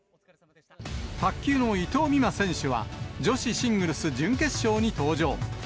卓球の伊藤美誠選手は、女子シングルス準決勝に登場。